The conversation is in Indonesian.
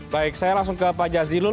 baik saya langsung ke pak jazilul